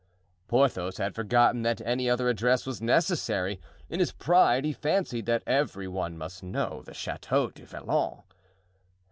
Porthos had forgotten that any other address was necessary; in his pride he fancied that every one must know the Chateau du Vallon.